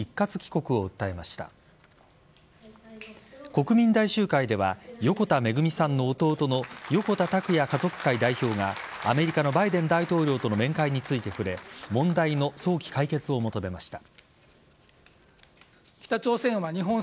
国民大集会では横田めぐみさんの弟の横田拓也家族会代表がアメリカのバイデン大統領との面会について触れ問題の早期解決を求めました。